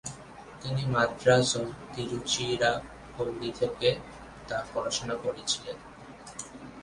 তিনি মাদ্রাজ ও তিরুচিরাপল্লী থেকে তার পড়াশোনা করেছিলেন।